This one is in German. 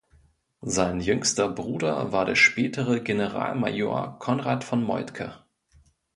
Sein jüngster Bruder war der spätere Generalmajor Conrad von Moltke.